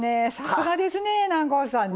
さすがですね、南光さん。